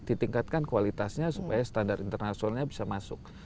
ditingkatkan kualitasnya supaya standar internasionalnya bisa masuk